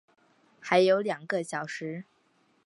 还有两个小时